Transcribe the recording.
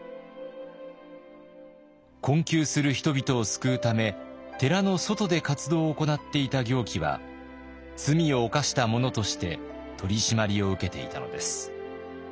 困窮する人々を救うため寺の外で活動を行っていた行基は罪を犯した者として取り締まりを受けていたのです。